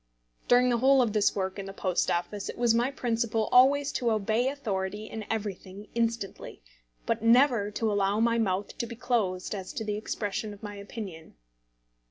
During the whole of this work in the Post Office it was my principle always to obey authority in everything instantly, but never to allow my mouth to be closed as to the expression of my opinion.